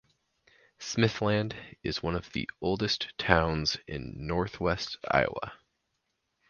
Smithland is one of the oldest towns in northwest Iowa.